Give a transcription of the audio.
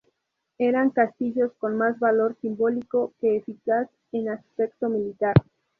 Eran castillos con más valor simbólico que eficaz en aspecto militar.